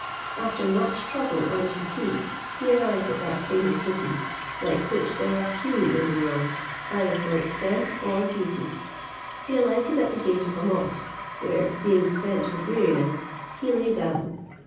After much trouble and fatigue, he arrived at that famous city, like which there are few in the world, either for extent or beauty. He alighted at the gate of a mosque, where, being spent with weariness, he lay down.